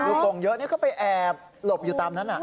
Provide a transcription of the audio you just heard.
ลูกกงเยอะนี่ก็ไปแอบหลบอยู่ตามนั้น